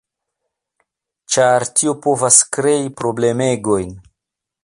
ĉar tio povas krei problemegojn.